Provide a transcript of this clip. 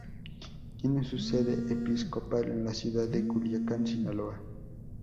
Tiene su sede episcopal en la ciudad de Culiacán, Sinaloa.